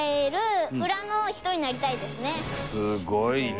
すごいね。